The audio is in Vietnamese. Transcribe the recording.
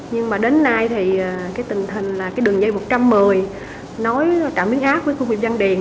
nhưng mà đến nay thì tình hình là đường dây một trăm một mươi nói trạm biến áp với khu công nghiệp răng điền